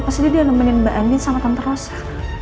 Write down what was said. pasti dia nemenin mbak andien sama kanta rosa